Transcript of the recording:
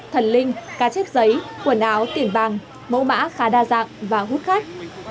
thần linh cá chép giấy quần áo tiền bàng mẫu mã khá đa dạng và hút khách